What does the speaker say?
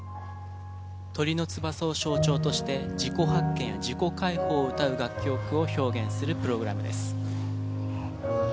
鳥の翼を象徴として自己発見や自己解放を歌う楽曲を表現するプログラムです。